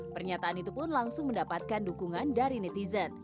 pernyataan itu pun langsung mendapatkan dukungan dari netizen